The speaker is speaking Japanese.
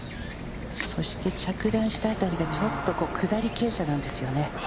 そして着弾したあたりが、ちょっと下り傾斜なんですよね。